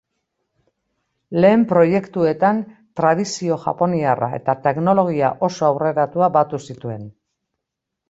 Lehen proiektuetan tradizio japoniarra eta teknologia oso aurreratua batu zituen.